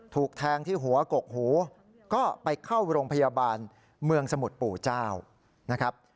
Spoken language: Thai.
ถูกแทงที่หัวกกหูก็ไปเข้าโรงพยาบาลเมืองสมุทรปู่เจ้านะครับ